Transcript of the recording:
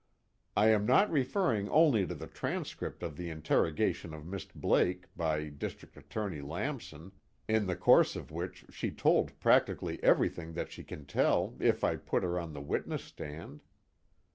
I am not referring only to the transcript of the interrogation of Miss Blake by District Attorney Lamson, in the course of which she told practically everything that she can tell if I put her on the witness stand.